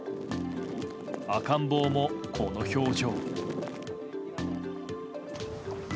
赤ん坊もこの表情。